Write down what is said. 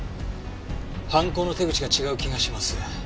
犯行の手口が違う気がします。